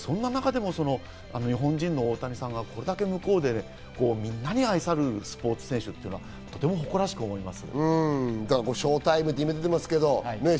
そんな中でも日本人の大谷さんが、これだけみんなに愛されるスポーツ選手というのはとても誇らしく思います。